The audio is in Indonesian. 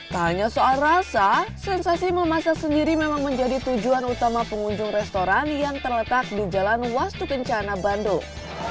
tak hanya soal rasa sensasi memasak sendiri memang menjadi tujuan utama pengunjung restoran yang terletak di jalan wastu kencana bandung